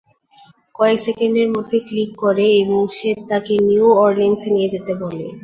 তারা কয়েক সেকেন্ডের মধ্যে ক্লিক করে এবং সে তাকে নিউ অর্লিন্সে নিয়ে যেতে বলে।